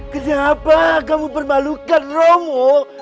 kenapa kamu permalukan romo